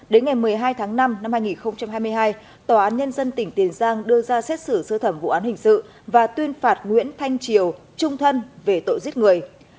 đến ngày một mươi hai tháng năm năm hai nghìn hai mươi hai tòa án nhân dân tỉnh tiền giang đưa ra xét xử sơ thẩm vụ án hình sự và tuyên phạt nguyễn thanh triều trung thân về tội giết người